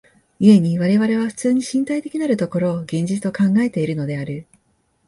故に我々は普通に身体的なる所を現実と考えているのである。